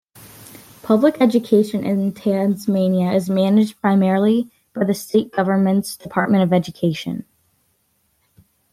Public education in Tasmania is managed primarily by the State Government's Department of Education.